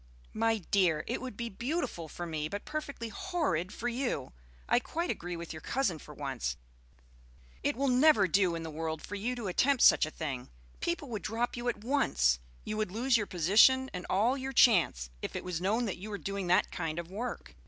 "My dear, it would be beautiful for me, but perfectly horrid for you! I quite agree with your cousin for once. It will never do in the world for you to attempt such a thing. People would drop you at once; you would lose your position and all your chance, if it was known that you were doing that kind of work."